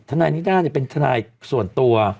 ทนายนิด้าเนี่ยเป็นทนายส่วนตัว